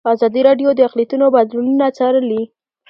ازادي راډیو د اقلیتونه بدلونونه څارلي.